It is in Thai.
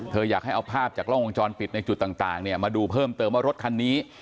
อยากให้เอาภาพจากกล้องวงจรปิดในจุดต่างมาดูเพิ่มเติมว่ารถคันนี้